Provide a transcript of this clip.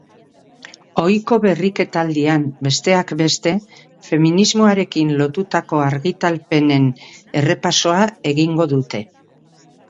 Ohiko berriketaldian, besteak beste, feminismoarekin lotutako argitalpenen errepasoa egingo dute.